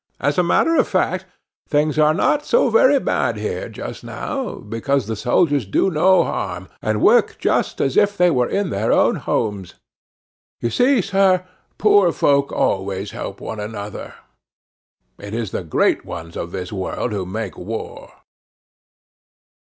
As a matter of fact, things are not so very bad here just now, because the soldiers do no harm, and work just as if they were in their own homes. You see, sir, poor folk always help one another; it is the great ones of this world who make war."